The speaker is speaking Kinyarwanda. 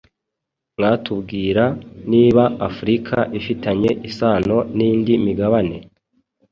mwatubwira niba africa ifitanye isano nindi migabane